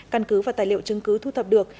căn cứ và tài liệu chứng cứ thu thập được